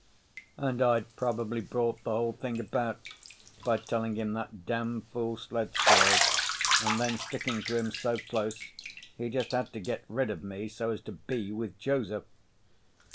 And I'd probably brought the whole thing about by telling him that damfool sled story—and then sticking to him so close he just had to get rid of me, so as to be with Joseph.